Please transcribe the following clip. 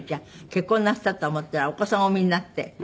結婚なすったと思ったらお子さんをお産みになって。